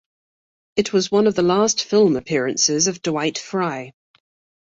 It was one of the last film appearances of Dwight Frye.